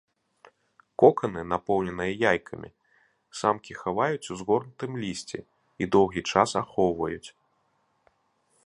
Коканы, напоўненыя яйкамі, самкі хаваюць у згорнутым лісці і доўгі час ахоўваюць.